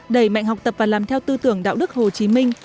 đẩy mạnh học tập và làm theo tư tưởng đạo đức hồ chí minh